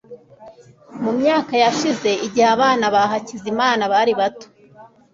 mu myaka yashize, igihe abana ba hakizimana bari bato